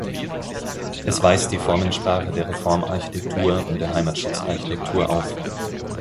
Es weist die Formensprache der Reformarchitektur und der Heimatschutzarchitektur auf.